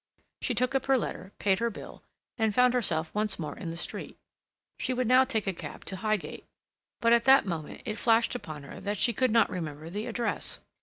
She took up her letter, paid her bill, and found herself once more in the street. She would now take a cab to Highgate. But at that moment it flashed upon her that she could not remember the address.